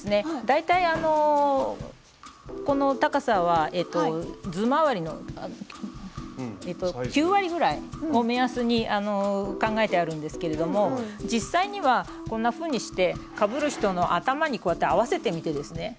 大体あのこの高さは頭回りの９割ぐらいを目安に考えてあるんですけれども実際にはこんなふうにしてかぶる人の頭にこうやって合わせてみてですね